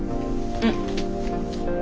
うん？